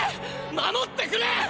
守ってくれ！